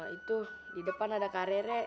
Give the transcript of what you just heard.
itu di depan ada kare kare